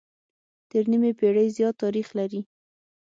تر نيمې پېړۍ زيات تاريخ لري